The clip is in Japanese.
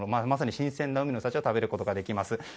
まさに新鮮な海の幸を食べることができます。